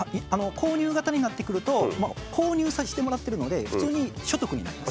購入型になってくると購入してもらってるので普通に所得になります。